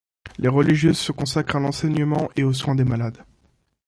Les religieuses se consacrent à l'enseignement et aux soins des malades.